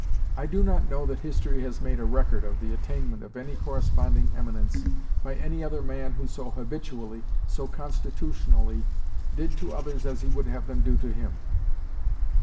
I do not know that history has made a record of the attainment of any corresponding eminence by any other man who so habitually, so constitutionally, did to others as he would have them do to him.